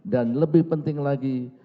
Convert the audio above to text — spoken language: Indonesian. dan lebih penting lagi